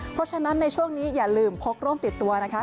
เพราะฉะนั้นในช่วงนี้อย่าลืมพกร่มติดตัวนะคะ